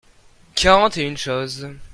quarante et une choses.